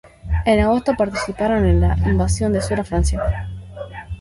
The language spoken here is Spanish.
En agosto participaron en la Invasión del sur de Francia.